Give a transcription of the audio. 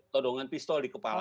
todongan pistol di kepala